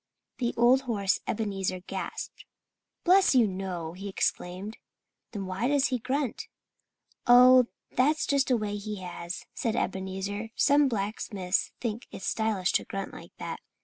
The old horse Ebenezer gasped. "Bless you, no!" he exclaimed. "Then why does he grunt?" "Oh, that's just a way he has," said Ebenezer. "Some blacksmiths think it's stylish to grunt like that."